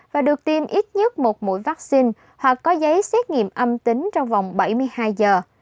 và được tiêm ít nhất một mũi vaccine hoặc có giấy xét nghiệm âm tính trong vòng bảy mươi hai giờ